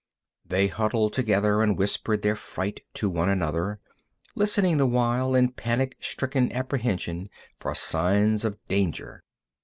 They huddled together and whispered their fright to one another, listening the while in panic stricken apprehension for signs of danger.